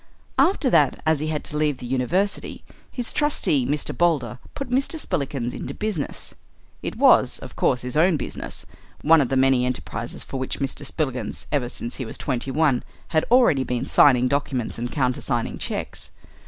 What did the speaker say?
After that, as he had to leave the university, his trustee, Mr. Boulder, put Mr. Spillikins into business. It was, of course, his own business, one of the many enterprises for which Mr. Spillikins, ever since he was twenty one, had already been signing documents and countersigning cheques.